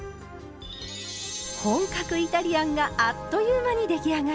本格イタリアンがあっという間に出来上がり。